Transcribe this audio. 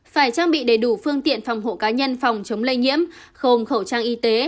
phải trang bị đầy đủ phương tiện phòng hộ cá nhân phòng chống lây nhiễm không khẩu trang y tế